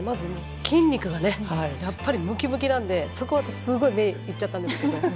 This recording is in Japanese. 筋肉がやっぱりムキムキなのでそこにすごく目がいっちゃったんですけど。